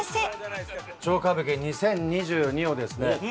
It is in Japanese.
『超歌舞伎２０２２』をですね